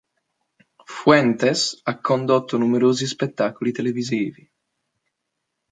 Fuentes ha condotto numerosi spettacoli televisivi.